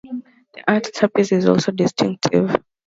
The altarpiece is also distinctive.